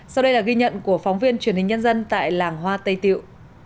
sau đây là ghi nhận của phóng viên truyền hình nhân dân tại làng hoa tây tiệu